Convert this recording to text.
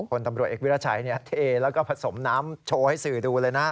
คนตำรวจเอกวิราชัยเทแล้วก็ผสมน้ำโชว์ให้สื่อดูเลยนะ